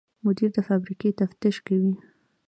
مدیر د فابریکې تفتیش کوي.